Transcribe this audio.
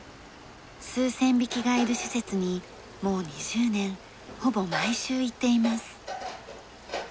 数千匹がいる施設にもう２０年ほぼ毎週行っています。